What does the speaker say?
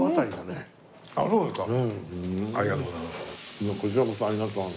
いやこちらこそありがとう。